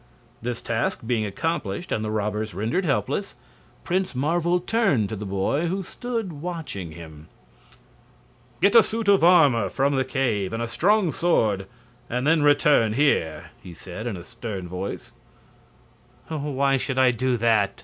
This task being accomplished and the robbers rendered helpless, Prince Marvel turned to the boy who stood watching him. "Get a suit of armor from the cave, and a strong sword, and then return here," he said, in a stern voice. "Why should I do that?"